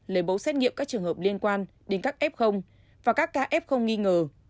lấy mẫu xét nghiệm các trường hợp liên quan đến các f và các ca f không nghi ngờ